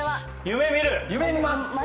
夢見ます！